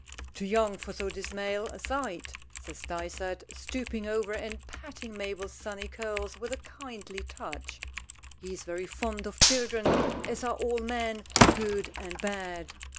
"Too young for so dismal a sight," says Dysart, stooping over and patting Mabel's sunny curls with a kindly touch. He is very fond of children, as are all men, good and bad.